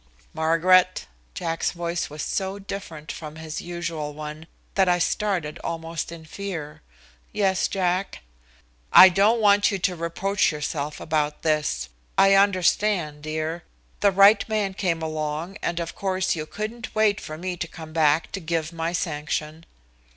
"Margaret." Jack's voice was so different from his usual one that I started almost in fear. "Yes, Jack." "I don't want you to reproach yourself about this. I understand, dear. The right man came along, and of course you couldn't wait for me to come back to give my sanction."